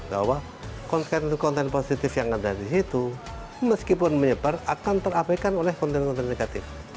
bahwa konten konten positif yang ada di situ meskipun menyebar akan terabaikan oleh konten konten negatif